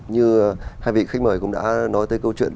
như hai vị khách mời cũng đã nói tới câu chuyện